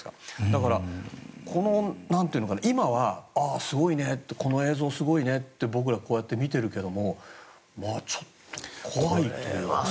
だから今は、ああ、すごいねこの映像すごいねって僕らはこうやって見ているけれどちょっと怖いというか。